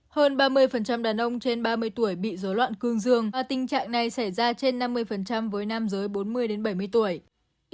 hơn ba mươi đàn ông trên ba mươi tuổi bị dối loạn cương dương và tình trạng này xảy ra trên năm mươi với nam giới bốn mươi bảy mươi tuổi